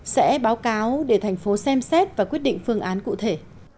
sẽ báo cáo để thành phố xem xét và quyết định phương án cụ thể